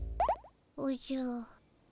おじゃ。